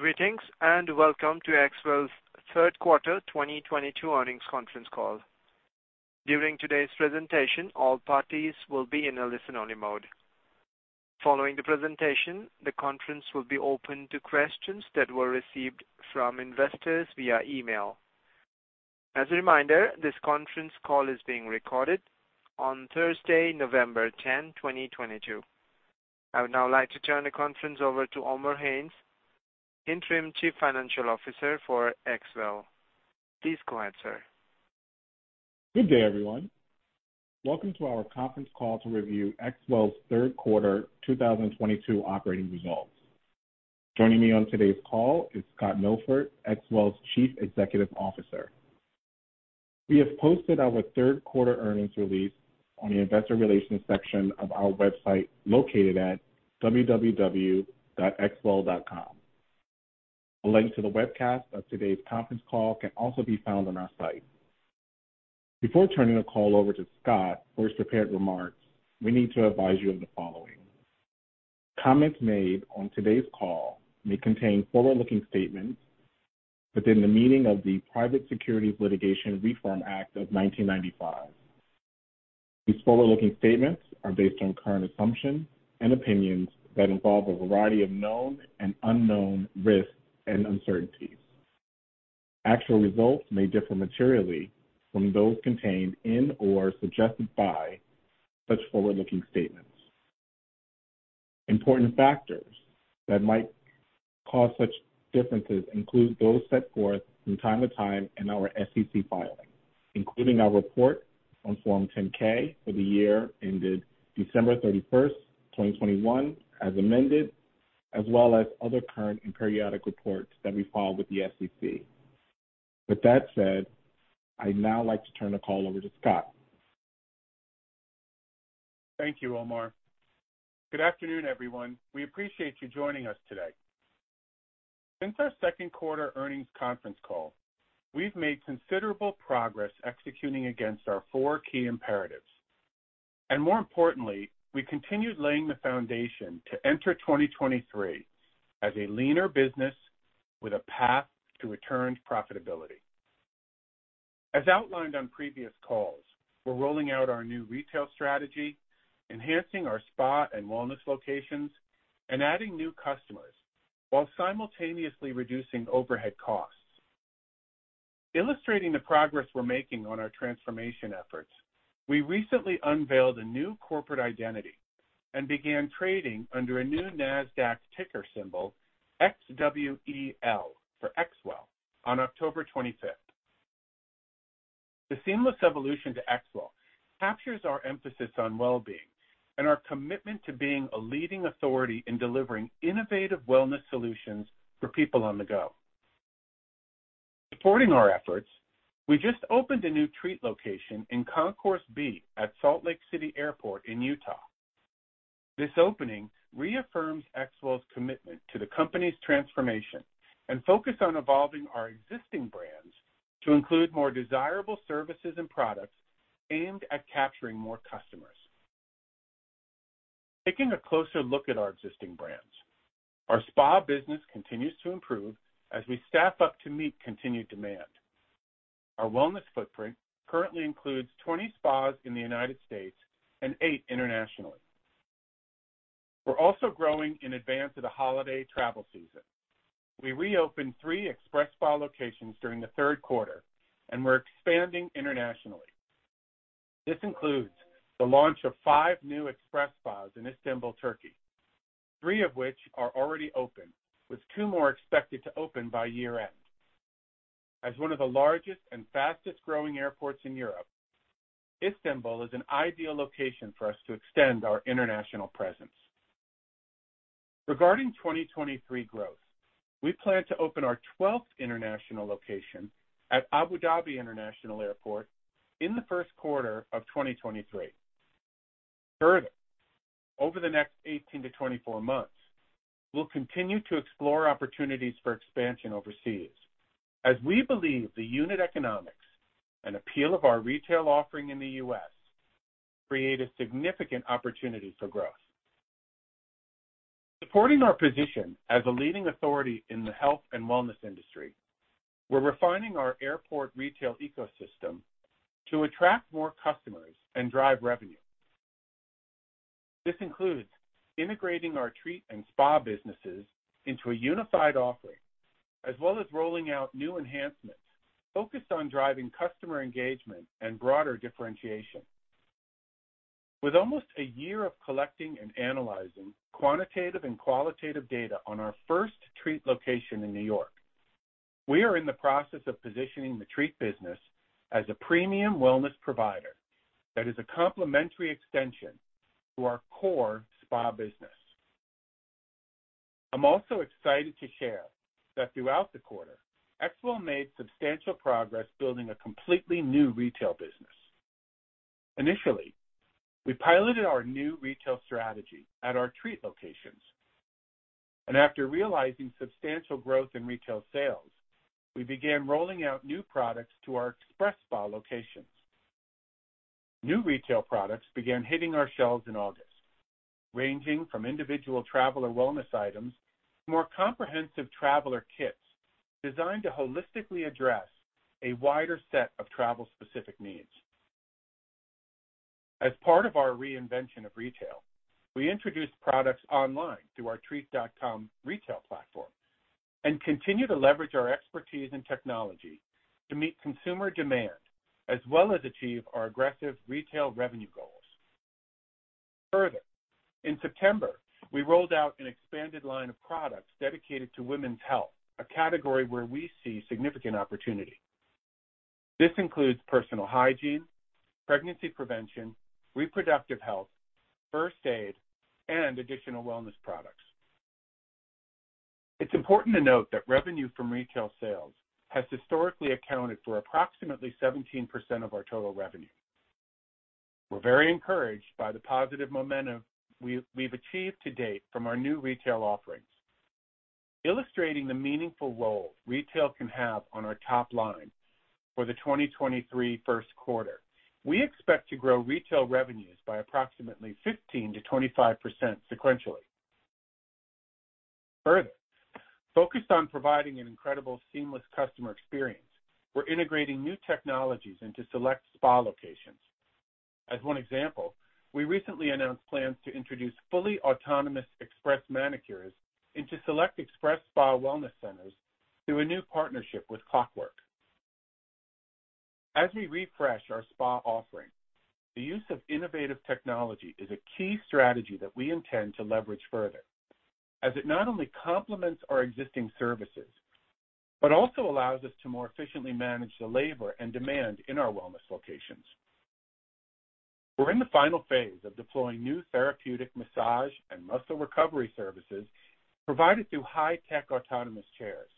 Greetings, and welcome to XWELL's Q3 2022 earnings conference call. During today's presentation, all parties will be in a listen-only mode. Following the presentation, the conference will be open to questions that were received from investors via email. As a reminder, this conference call is being recorded on Thursday, November 10th, 2022. I would now like to turn the conference over to Omar Haynes, Interim Chief Financial Officer for XWELL. Please go ahead, sir. Good day, everyone. Welcome to our conference call to review XWELL's Q3 2022 operating results. Joining me on today's call is Scott Milford, XWELL's Chief Executive Officer. We have posted our Q3 earnings release on the investor relations section of our website located at www.xwell.com. A link to the webcast of today's conference call can also be found on our site. Before turning the call over to Scott for his prepared remarks, we need to advise you of the following. Comments made on today's call may contain forward-looking statements within the meaning of the Private Securities Litigation Reform Act of 1995. These forward-looking statements are based on current assumptions and opinions that involve a variety of known and unknown risks and uncertainties. Actual results may differ materially from those contained in or suggested by such forward-looking statements. Important factors that might cause such differences include those set forth from time to time in our SEC filings, including our report on Form 10-K for the year ended December 31st, 2021, as amended, as well as other current and periodic reports that we file with the SEC. With that said, I'd now like to turn the call over to Scott. Thank you, Omar. Good afternoon, everyone. We appreciate you joining us today. Since our Q2 earnings conference call, we've made considerable progress executing against our four key imperatives. More importantly, we continued laying the foundation to enter 2023 as a leaner business with a path to return profitability. As outlined on previous calls, we're rolling out our new retail strategy, enhancing our spa and wellness locations, and adding new customers while simultaneously reducing overhead costs. Illustrating the progress we're making on our transformation efforts, we recently unveiled a new corporate identity and began trading under a new Nasdaq ticker symbol, XWEL for XWELL on October 25th. The seamless evolution to XWELL captures our emphasis on well-being and our commitment to being a leading authority in delivering innovative wellness solutions for people on the go. Supporting our efforts, we just opened a new Treat location in Concourse B at Salt Lake City Airport in Utah. This opening reaffirms XWELL's commitment to the company's transformation and focus on evolving our existing brands to include more desirable services and products aimed at capturing more customers. Taking a closer look at our existing brands, our spa business continues to improve as we staff up to meet continued demand. Our wellness footprint currently includes 20 spas in the United States and 8 internationally. We're also growing in advance of the holiday travel season. We reopened three XpresSpa locations during the Q3, and we're expanding internationally. This includes the launch of five new XpresSpa in Istanbul, Turkey, three of which are already open, with two more expected to open by year-end. As one of the largest and fastest-growing airports in Europe, Istanbul is an ideal location for us to extend our international presence. Regarding 2023 growth, we plan to open our 12th international location at Abu Dhabi International Airport in the Q1 of 2023. Further, over the next 18-24 months, we'll continue to explore opportunities for expansion overseas as we believe the unit economics and appeal of our retail offering in the U.S. create a significant opportunity for growth. Supporting our position as a leading authority in the health and wellness industry, we're refining our airport retail ecosystem to attract more customers and drive revenue. This includes integrating our Treat and XpresSpa businesses into a unified offering, as well as rolling out new enhancements focused on driving customer engagement and broader differentiation. With almost a year of collecting and analyzing quantitative and qualitative data on our first Treat location in New York, we are in the process of positioning the Treat business as a premium wellness provider that is a complementary extension to our core spa business. I'm also excited to share that throughout the quarter, XWELL made substantial progress building a completely new retail business. Initially, we piloted our new retail strategy at our Treat locations, and after realizing substantial growth in retail sales, we began rolling out new products to our XpresSpa locations. New retail products began hitting our shelves in August, ranging from individual traveler wellness items, more comprehensive traveler kits designed to holistically address a wider set of travel-specific needs. As part of our reinvention of retail, we introduced products online through our Treat.com retail platform and continue to leverage our expertise in technology to meet consumer demand as well as achieve our aggressive retail revenue goals. Further, in September, we rolled out an expanded line of products dedicated to women's health, a category where we see significant opportunity. This includes personal hygiene, pregnancy prevention, reproductive health, first aid, and additional wellness products. It's important to note that revenue from retail sales has historically accounted for approximately 17% of our total revenue. We're very encouraged by the positive momentum we've achieved to date from our new retail offerings. Illustrating the meaningful role retail can have on our top line for the 2023 Q1, we expect to grow retail revenues by approximately 15%-25% sequentially. Further, focused on providing an incredible seamless customer experience, we're integrating new technologies into select spa locations. As one example, we recently announced plans to introduce fully autonomous express manicures into select XpresSpa wellness centers through a new partnership with Clockwork. As we refresh our spa offering, the use of innovative technology is a key strategy that we intend to leverage further, as it not only complements our existing services but also allows us to more efficiently manage the labor and demand in our wellness locations. We're in the final phase of deploying new therapeutic massage and muscle recovery services provided through high-tech autonomous chairs.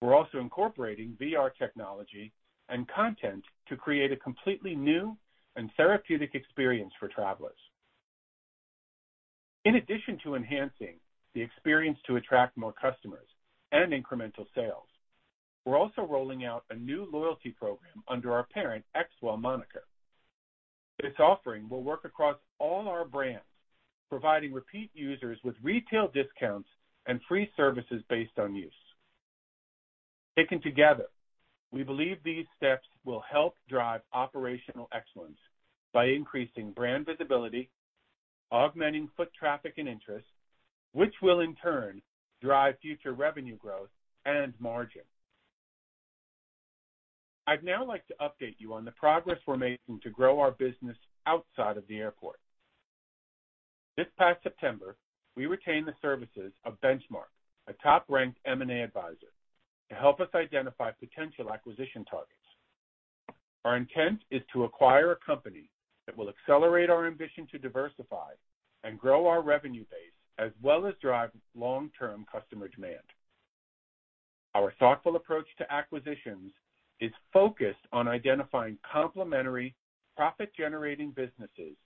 We're also incorporating VR technology and content to create a completely new and therapeutic experience for travelers. In addition to enhancing the experience to attract more customers and incremental sales, we're also rolling out a new loyalty program under our XWELL moniker. This offering will work across all our brands, providing repeat users with retail discounts and free services based on use. Taken together, we believe these steps will help drive operational excellence by increasing brand visibility, augmenting foot traffic and interest, which will in turn drive future revenue growth and margin. I'd now like to update you on the progress we're making to grow our business outside of the airport. This past September, we retained the services of Benchmark, a top-ranked M&A advisor, to help us identify potential acquisition targets. Our intent is to acquire a company that will accelerate our ambition to diversify and grow our revenue base as well as drive long-term customer demand. Our thoughtful approach to acquisitions is focused on identifying complementary profit-generating businesses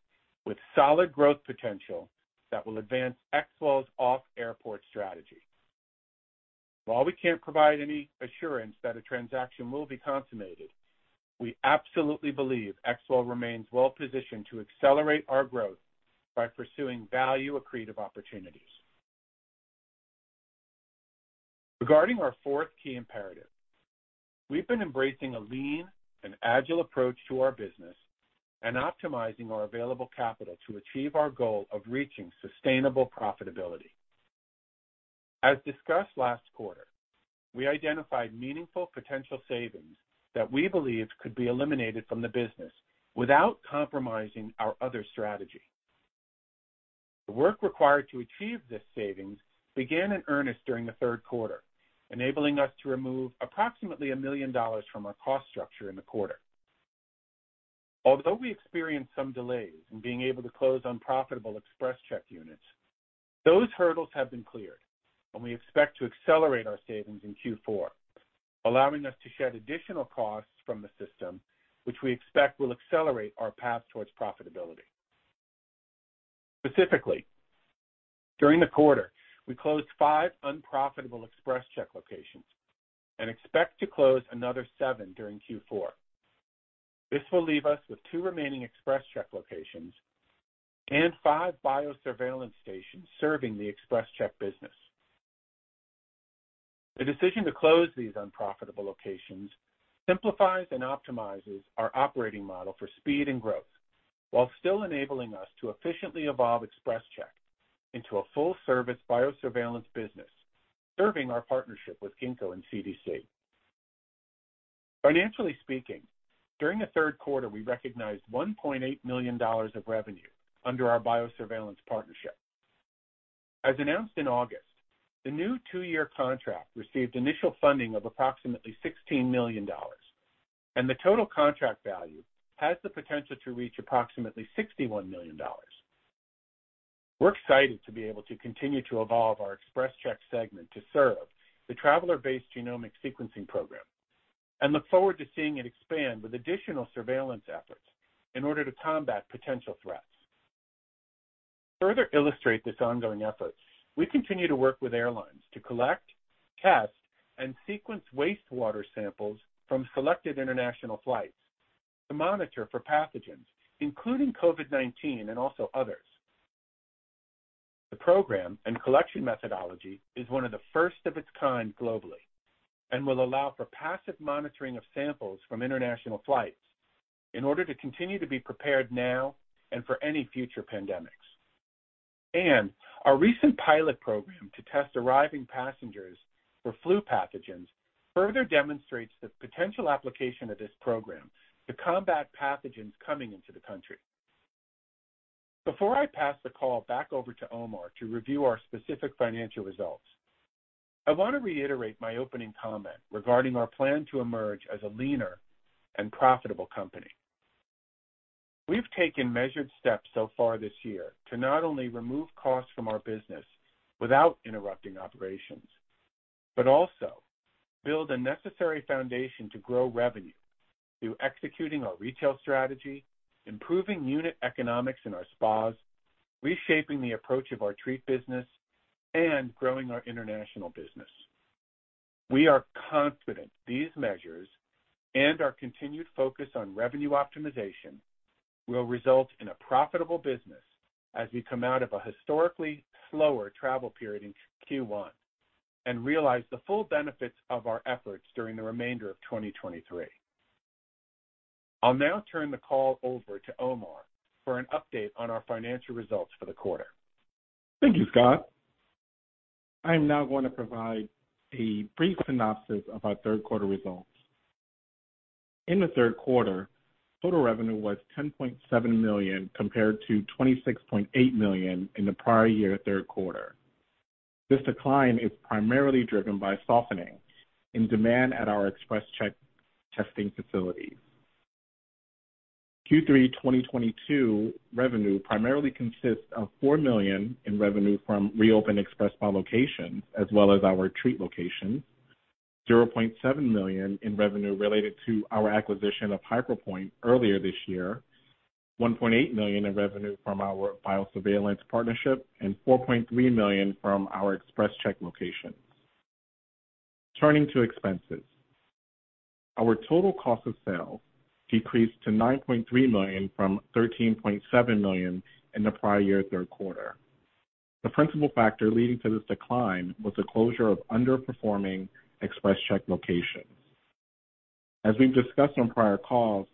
with solid growth potential that will advance XWELL's off-airport strategy. While we can't provide any assurance that a transaction will be consummated, we absolutely believe XWELL remains well positioned to accelerate our growth by pursuing value accretive opportunities. Regarding our fourth key imperative, we've been embracing a lean and agile approach to our business and optimizing our available capital to achieve our goal of reaching sustainable profitability. As discussed last quarter, we identified meaningful potential savings that we believe could be eliminated from the business without compromising our other strategy. The work required to achieve this savings began in earnest during the Q3, enabling us to remove approximately $1 million from our cost structure in the quarter. Although we experienced some delays in being able to close unprofitable XpresCheck units, those hurdles have been cleared, and we expect to accelerate our savings in Q4, allowing us to shed additional costs from the system, which we expect will accelerate our path towards profitability. Specifically, during the quarter, we closed five unprofitable XpresCheck locations and expect to close another seven during Q4. This will leave us with two remaining XpresCheck locations and five biosurveillance stations serving the XpresCheck business. The decision to close these unprofitable locations simplifies and optimizes our operating model for speed and growth while still enabling us to efficiently evolve XpresCheck into a full-service biosurveillance business, serving our partnership with Ginkgo and CDC. Financially speaking, during the Q3, we recognized $1.8 million of revenue under our biosurveillance partnership. As announced in August, the new two-year contract received initial funding of approximately $16 million, and the total contract value has the potential to reach approximately $61 million. We're excited to be able to continue to evolve our XpresCheck segment to serve the traveler-based genomic sequencing program and look forward to seeing it expand with additional surveillance efforts in order to combat potential threats. To further illustrate this ongoing effort, we continue to work with airlines to collect, test, and sequence wastewater samples from selected international flights to monitor for pathogens, including COVID-19 and also others. The program and collection methodology is one of the first of its kind globally and will allow for passive monitoring of samples from international flights in order to continue to be prepared now and for any future pandemics. Our recent pilot program to test arriving passengers for flu pathogens further demonstrates the potential application of this program to combat pathogens coming into the country. Before I pass the call back over to Omar to review our specific financial results, I want to reiterate my opening comment regarding our plan to emerge as a leaner and profitable company. We've taken measured steps so far this year to not only remove costs from our business without interrupting operations, but also build a necessary foundation to grow revenue through executing our retail strategy, improving unit economics in our spas, reshaping the approach of our Treat business, and growing our international business. We are confident these measures and our continued focus on revenue optimization will result in a profitable business as we come out of a historically slower travel period in Q1 and realize the full benefits of our efforts during the remainder of 2023. I'll now turn the call over to Omar for an update on our financial results for the quarter. Thank you, Scott. I am now going to provide a brief synopsis of our Q3 results. In the Q3, total revenue was $10.7 million compared to $26.8 million in the prior year Q3. This decline is primarily driven by a softening in demand at our XpresCheck testing facilities. Q3 2022 revenue primarily consists of $4 million in revenue from reopened XpresSpa locations as well as our Treat locations, $0.7 million in revenue related to our acquisition of HyperPointe earlier this year, $1.8 million in revenue from our biosurveillance partnership, and $4.3 million from our XpresCheck locations. Turning to expenses. Our total cost of sale decreased to $9.3 million from $13.7 million in the prior year Q3. The principal factor leading to this decline was the closure of underperforming XpresCheck locations. As we've discussed on prior calls,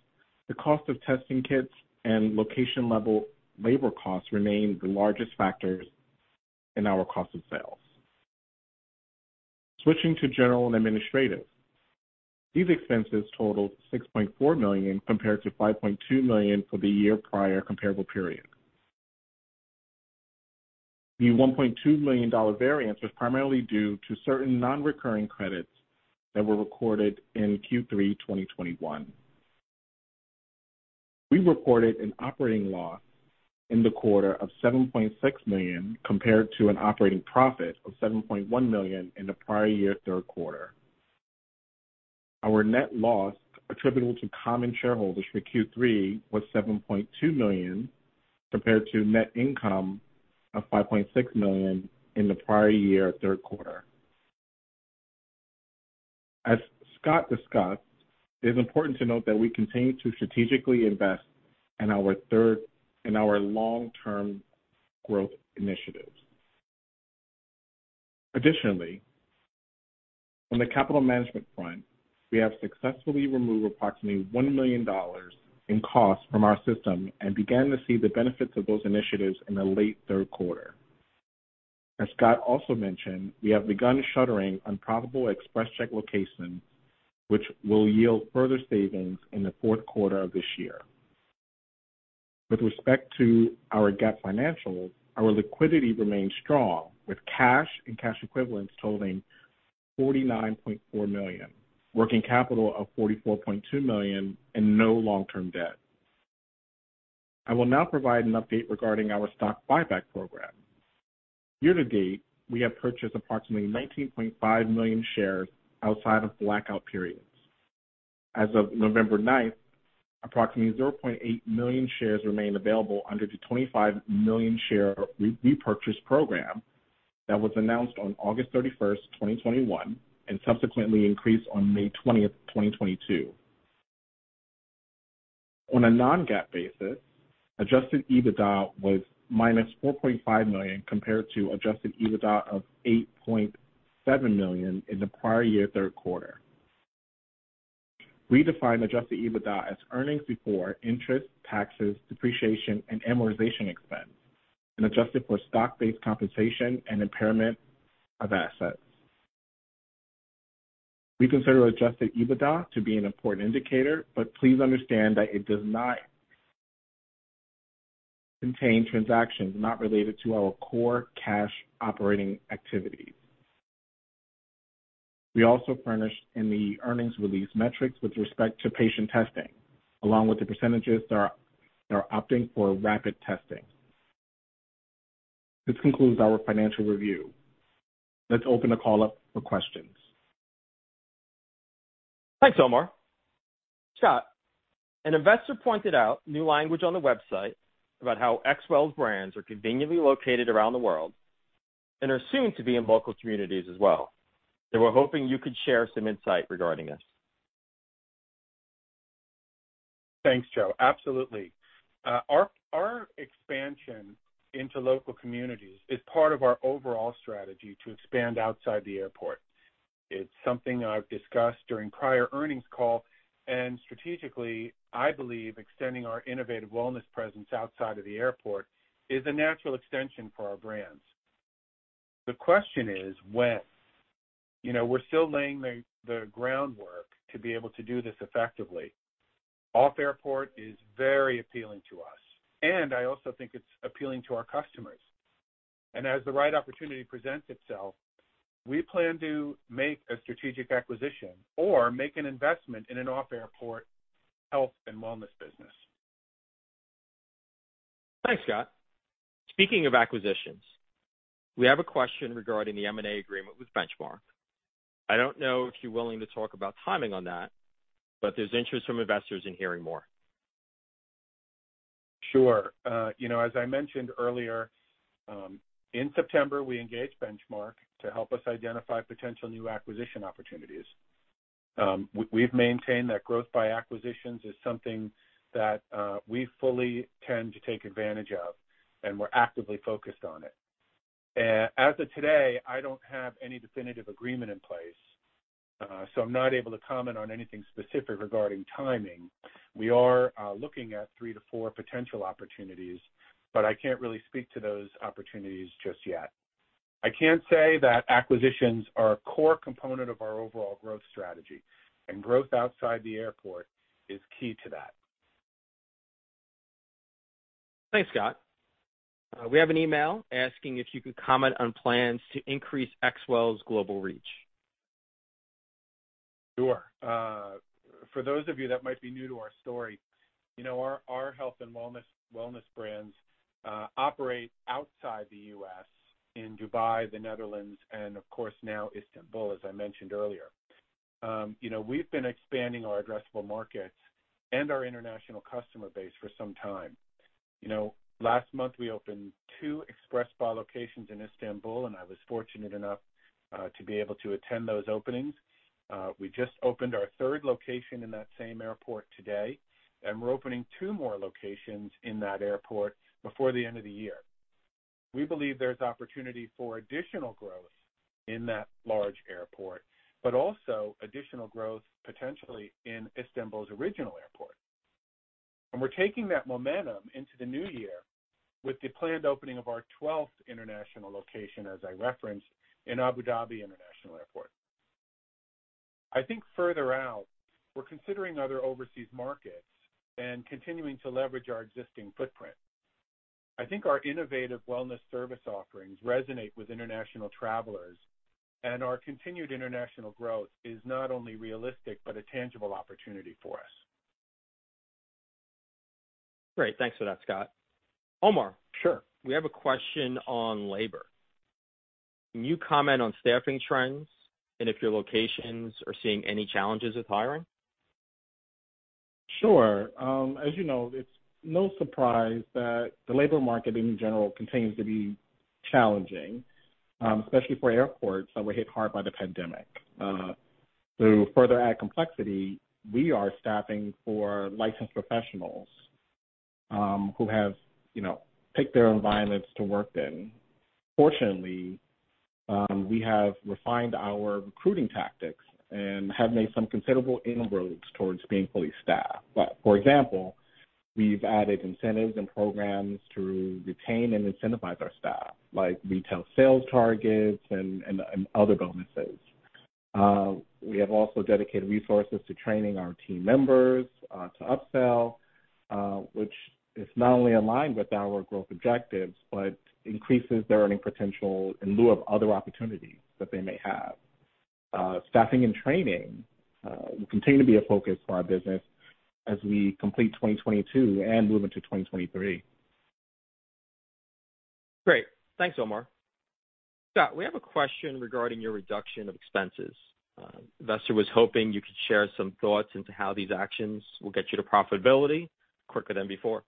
the cost of testing kits and location-level labor costs remain the largest factors in our cost of sales. Switching to general and administrative. These expenses totaled $6.4 million compared to $5.2 million for the year prior comparable period. The $1.2 million variance was primarily due to certain non-recurring credits that were recorded in Q3 2021. We reported an operating loss in the quarter of $7.6 million compared to an operating profit of $7.1 million in the prior year Q3. Our net loss attributable to common shareholders for Q3 was $7.2 million, compared to net income of $5.6 million in the prior year Q3. As Scott discussed, it is important to note that we continue to strategically invest in our long-term growth initiatives. Additionally, on the capital management front, we have successfully removed approximately $1 million in costs from our system and began to see the benefits of those initiatives in the late Q3. As Scott also mentioned, we have begun shuttering unprofitable XpresCheck locations, which will yield further savings in the Q4 of this year. With respect to our GAAP financials, our liquidity remains strong, with cash and cash equivalents totaling $49.4 million, working capital of $44.2 million, and no long-term debt. I will now provide an update regarding our stock buyback program. Year to date, we have purchased approximately 19.5 million shares outside of blackout periods. As of November 9th, approximately 0.8 million shares remain available under the 25 million share repurchase program that was announced on August 31st, 2021, and subsequently increased on May 20th, 2022. On a non-GAAP basis, adjusted EBITDA was minus $4.5 million compared to adjusted EBITDA of $8.7 million in the prior year Q3. We define adjusted EBITDA as earnings before interest, taxes, depreciation, and amortization expense and adjusted for stock-based compensation and impairment of assets. We consider adjusted EBITDA to be an important indicator, but please understand that it does not contain transactions not related to our core cash operating activities. We also furnished in the earnings release metrics with respect to patient testing, along with the percentages that are opting for rapid testing. This concludes our financial review. Let's open the call up for questions. Thanks, Omar. Scott, an investor pointed out new language on the website about how XWELL's brands are conveniently located around the world and are soon to be in local communities as well. They were hoping you could share some insight regarding this. Thanks, Joe. Absolutely. Our expansion into local communities is part of our overall strategy to expand outside the airport. It's something I've discussed during prior earnings call, and strategically, I believe extending our innovative wellness presence outside of the airport is a natural extension for our brands. The question is when. You know, we're still laying the groundwork to be able to do this effectively. Off-airport is very appealing to us, and I also think it's appealing to our customers. As the right opportunity presents itself, we plan to make a strategic acquisition or make an investment in an off-airport health and wellness business. Thanks, Scott. Speaking of acquisitions, we have a question regarding the M&A agreement with Benchmark. I don't know if you're willing to talk about timing on that, but there's interest from investors in hearing more. Sure. You know, as I mentioned earlier, in September, we engaged Benchmark to help us identify potential new acquisition opportunities. We've maintained that growth by acquisitions is something that we fully intend to take advantage of, and we're actively focused on it. As of today, I don't have any definitive agreement in place, so I'm not able to comment on anything specific regarding timing. We are looking at three to four potential opportunities, but I can't really speak to those opportunities just yet. I can say that acquisitions are a core component of our overall growth strategy, and growth outside the airport is key to that. Thanks, Scott. We have an email asking if you could comment on plans to increase XWELL's global reach. Sure. For those of you that might be new to our story, you know, our health and wellness brands operate outside the U.S. in Dubai, the Netherlands, and of course now Istanbul, as I mentioned earlier. You know, we've been expanding our addressable markets and our international customer base for some time. You know, last month we opened two XpresSpa locations in Istanbul, and I was fortunate enough to be able to attend those openings. We just opened our third location in that same airport today, and we're opening two more locations in that airport before the end of the year. We believe there's opportunity for additional growth in that large airport, but also additional growth potentially in Istanbul's original airport. We're taking that momentum into the new year with the planned opening of our twelfth international location, as I referenced, in Abu Dhabi International Airport. I think further out, we're considering other overseas markets and continuing to leverage our existing footprint. I think our innovative wellness service offerings resonate with international travelers, and our continued international growth is not only realistic, but a tangible opportunity for us. Great. Thanks for that, Scott. Omar. Sure. We have a question on labor. Can you comment on staffing trends and if your locations are seeing any challenges with hiring? Sure. As you know, it's no surprise that the labor market in general continues to be challenging, especially for airports that were hit hard by the pandemic. To further add complexity, we are staffing for licensed professionals, who have, you know, picked their environments to work in. Fortunately, we have refined our recruiting tactics and have made some considerable inroads towards being fully staffed. For example, we've added incentives and programs to retain and incentivize our staff, like retail sales targets and other bonuses. We have also dedicated resources to training our team members, to upsell, which is not only aligned with our growth objectives, but increases their earning potential in lieu of other opportunities that they may have. Staffing and training will continue to be a focus for our business as we complete 2022 and move into 2023. Great. Thanks, Omar. Scott, we have a question regarding your reduction of expenses. Investor was hoping you could share some thoughts into how these actions will get you to profitability quicker than before.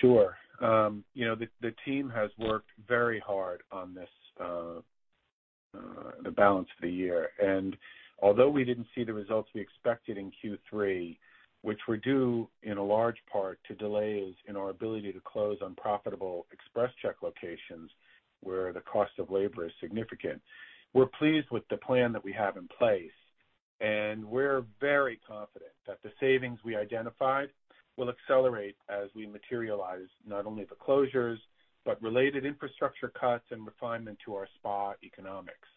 Sure. You know, the team has worked very hard on this, the balance for the year. Although we didn't see the results we expected in Q3, which were due in a large part to delays in our ability to close unprofitable XpresCheck locations where the cost of labor is significant, we're pleased with the plan that we have in place, and we're very confident that the savings we identified will accelerate as we materialize not only the closures, but related infrastructure cuts and refinement to our spa economics.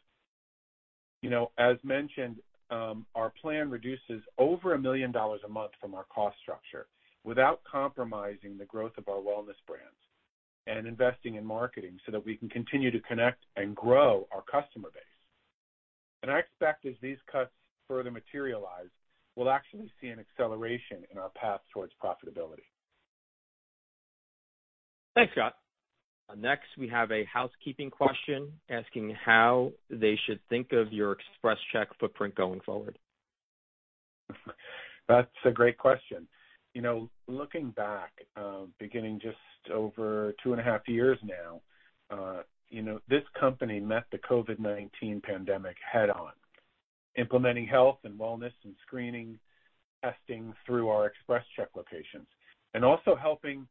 You know, as mentioned, our plan reduces over $1 million a month from our cost structure without compromising the growth of our wellness brands and investing in marketing so that we can continue to connect and grow our customer base. I expect as these cuts further materialize, we'll actually see an acceleration in our path towards profitability. Thanks, Scott. Next, we have a housekeeping question asking how they should think of your XpresCheck footprint going forward. That's a great question. You know, looking back, beginning just over two and a half years now, you know, this company met the COVID-19 pandemic head on, implementing health and wellness and screening testing through our XpresCheck locations, and also helping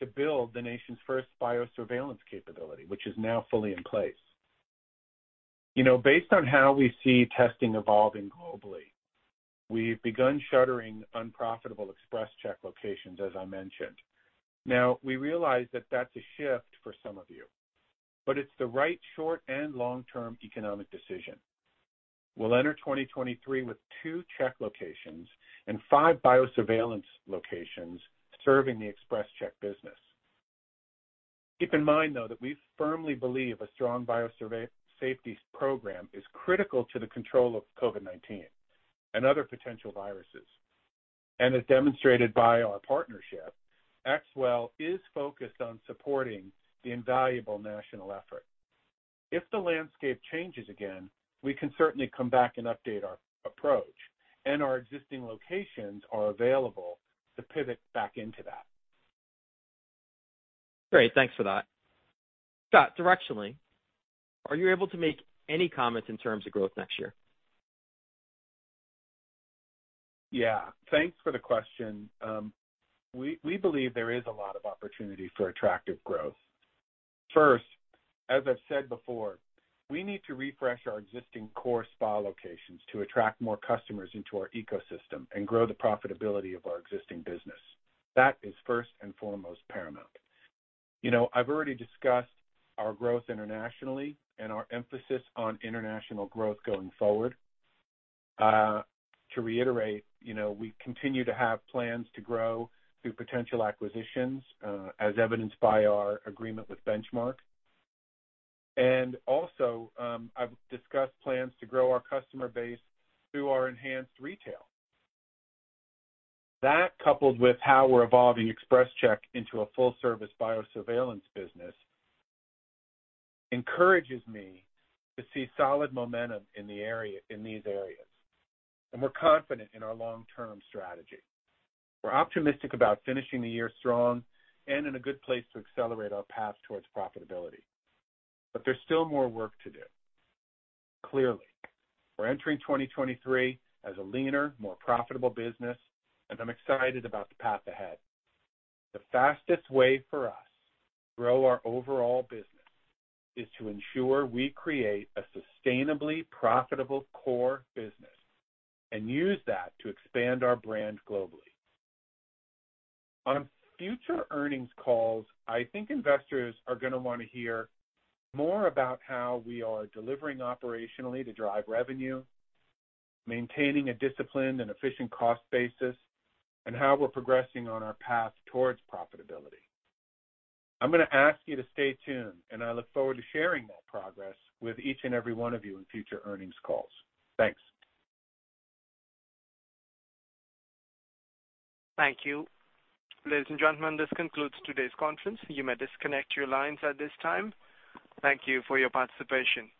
to build the nation's first biosurveillance capability, which is now fully in place. You know, based on how we see testing evolving globally, we've begun shuttering unprofitable XpresCheck locations, as I mentioned. Now, we realize that that's a shift for some of you, but it's the right short and long-term economic decision. We'll enter 2023 with two XpresCheck locations and five biosurveillance locations serving the XpresCheck business. Keep in mind, though, that we firmly believe a strong biosurveillance program is critical to the control of COVID-19 and other potential viruses. As demonstrated by our partnership, XWELL is focused on supporting the invaluable national effort. If the landscape changes again, we can certainly come back and update our approach, and our existing locations are available to pivot back into that. Great. Thanks for that. Scott, directionally, are you able to make any comments in terms of growth next year? Yeah. Thanks for the question. We believe there is a lot of opportunity for attractive growth. First, as I've said before, we need to refresh our existing core spa locations to attract more customers into our ecosystem and grow the profitability of our existing business. That is first and foremost paramount. You know, I've already discussed our growth internationally and our emphasis on international growth going forward. To reiterate, you know, we continue to have plans to grow through potential acquisitions, as evidenced by our agreement with Benchmark. Also, I've discussed plans to grow our customer base through our enhanced retail. That, coupled with how we're evolving XpresCheck into a full-service biosurveillance business, encourages me to see solid momentum in these areas. We're confident in our long-term strategy. We're optimistic about finishing the year strong and in a good place to accelerate our path towards profitability. There's still more work to do. Clearly, we're entering 2023 as a leaner, more profitable business, and I'm excited about the path ahead. The fastest way for us to grow our overall business is to ensure we create a sustainably profitable core business and use that to expand our brand globally. On future earnings calls, I think investors are gonna wanna hear more about how we are delivering operationally to drive revenue, maintaining a disciplined and efficient cost basis, and how we're progressing on our path towards profitability. I'm gonna ask you to stay tuned, and I look forward to sharing that progress with each and every one of you in future earnings calls. Thanks. Thank you. Ladies and gentlemen, this concludes today's conference. You may disconnect your lines at this time. Thank you for your participation.